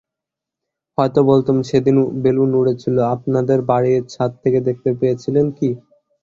হয়তো বলতুম– সেদিন বেলুন উড়েছিল, আপনাদের বাড়ির ছাত থেকে দেখতে পেয়েছিলেন কি?